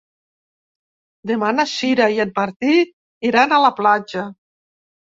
Demà na Sira i en Martí iran a la platja.